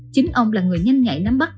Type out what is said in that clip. chính ông là người nhanh nhạy nắm bắt